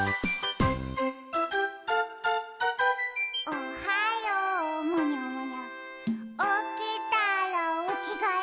「おはようむにゃむにゃおきたらおきがえ」